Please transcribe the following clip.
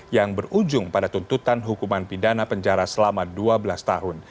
yang berujung pada tuntutan hukuman pidana penjara selama dua belas tahun